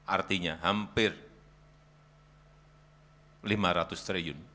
artinya hampir lima ratus triliun